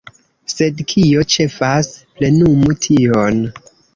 Sed kio ĉefas – plenumu tion.